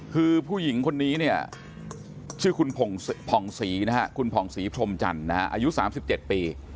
คือผู้หญิงคนนี้เนี่ยชื่อคุณผ่องศรีนะฮะคุณผ่องศรีพรมจันทร์อายุ๓๗ปี